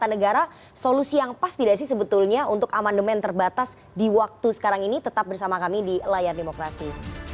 jadi ini adalah solusi yang pas tidak sih sebetulnya untuk amandemen terbatas di waktu sekarang ini tetap bersama kami di layar demokrasi